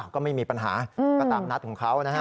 ก็ไม่มีปัญหาก็ตามนัดของเขานะฮะ